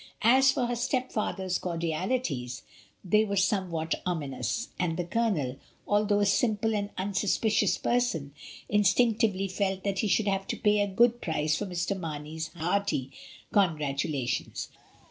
As for her stepfather's cordialities, they were some what ominous; and the Colonel, although a simple and unsuspicious person, instinctively felt that he should have to pay a good price for Mr. Marney's hearty congratulations.